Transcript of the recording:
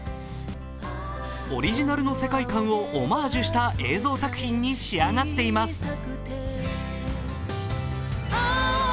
オリジナルの世界観をオマージュした映像作品に仕上がっています。